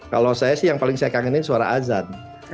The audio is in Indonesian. kalau saya sih yang paling saya kangenin suara azan